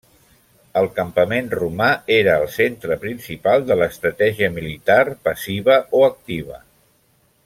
El campament romà era el centre principal de l'estratègia militar passiva o activa.